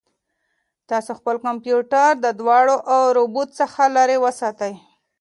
تاسو خپل کمپیوټر د دوړو او رطوبت څخه تل لرې وساتئ.